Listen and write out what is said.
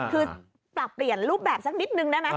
คือปรับเปลี่ยนรูปแบบสักนิดนึงได้ไหม